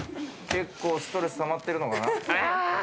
結構ストレス溜まっているのかな。